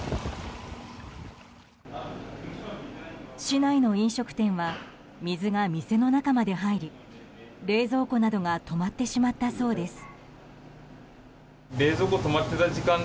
市内の飲食店は水が店の中まで入り冷蔵庫などが止まってしまったそうです。